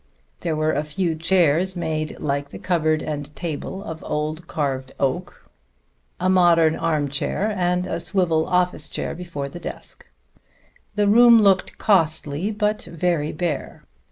There were a few chairs made, like the cupboard and table, of old carved oak; a modern arm chair and a swivel office chair before the desk. The room looked costly but very bare.